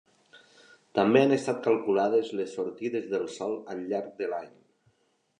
També han estat calculades les sortides del Sol al llarg de l'any.